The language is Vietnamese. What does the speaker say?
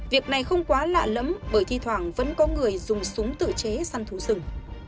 việc này không quá lạ lẫm bởi thi thoảng vẫn có người dùng súng tự chế săn thú rừng